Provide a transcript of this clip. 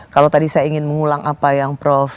kalau tadi saya ingin mengulang apa yang prof